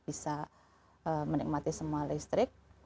bisa menikmati semua listrik